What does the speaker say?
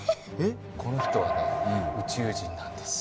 この人はね宇宙人なんです。